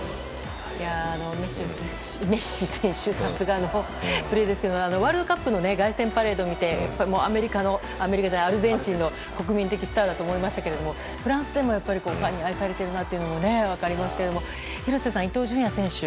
メッシ選手、さすがのプレーですけどワールドカップの凱旋パレードを見てアルゼンチンの国民的スターだと思いましたけどもフランスでもファンに愛されているのが分かりますが廣瀬さん、伊東純也選手。